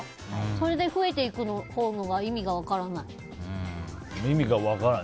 それで増えていくほうが意味が分からない。